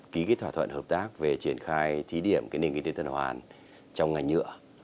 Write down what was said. ký cái thỏa thuận hợp tác về triển khai thí điểm nền kinh tế tân hoàn trong ngành nhựa